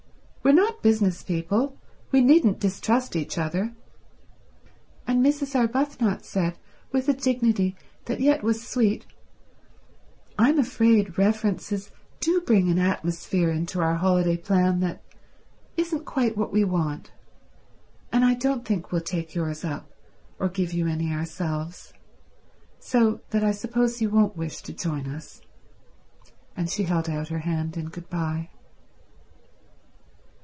"We're not business people. We needn't distrust each other—" And Mrs. Arbuthnot said, with a dignity that yet was sweet, "I'm afraid references do bring an atmosphere into our holiday plan that isn't quite what we want, and I don't think we'll take yours up or give you any ourselves. So that I suppose you won't wish to join us." And she held out her hand in good bye.